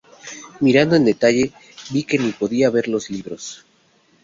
Mirando en detalle vi que ni podía ver los libros.